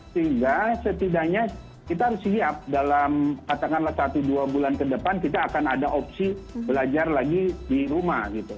sehingga setidaknya kita harus siap dalam katakanlah satu dua bulan ke depan kita akan ada opsi belajar lagi di rumah gitu